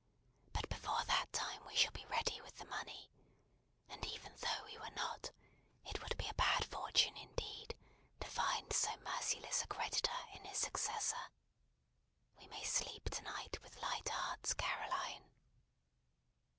But before that time we shall be ready with the money; and even though we were not, it would be a bad fortune indeed to find so merciless a creditor in his successor. We may sleep to night with light hearts, Caroline!"